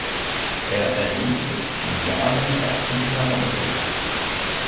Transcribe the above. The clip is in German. Er erhielt mit zehn Jahren ersten Gitarrenunterricht.